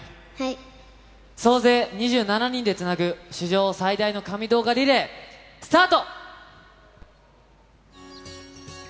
総勢２７人でつなぐ史上最大の神動画リレー、スタート！